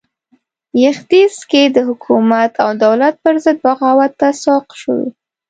بغدیس کې د حکومت او دولت پرضد بغاوت ته سوق شوي.